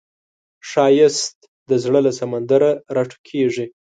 ښایست د زړه له سمندر راټوکېږي